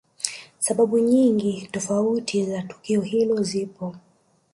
Sababu nyingi tofauti za tukio hilo zipo